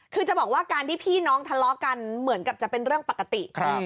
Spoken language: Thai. คือจะบอกว่าการที่พี่น้องทะเลาะกันเหมือนกับจะเป็นเรื่องปกติ